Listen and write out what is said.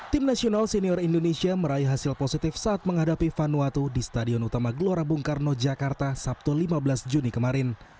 tim nasional senior indonesia meraih hasil positif saat menghadapi vanuatu di stadion utama gelora bung karno jakarta sabtu lima belas juni kemarin